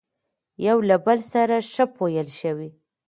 يوه له بل سره ښه پويل شوي،